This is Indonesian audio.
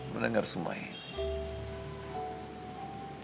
mendengar semua ini